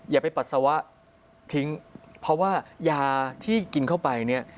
อย่าไปปัสสาวะทิ้งเพราะว่ายาที่กินเข้าไปเนี่ย